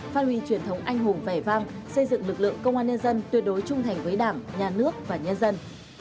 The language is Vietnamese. phát huy truyền thống anh hùng vẻ vang xây dựng lực lượng công an nhân dân tuyệt đối trung thành với đảng nhà nước và nhân dân